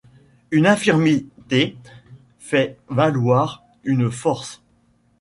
Une infirmité fait valoir une force.